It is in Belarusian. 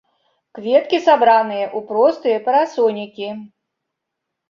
Кветкі сабраныя ў простыя парасонікі.